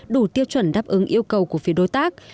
đủ tiêu chuẩn đáp ứng yêu cầu của phía đối tác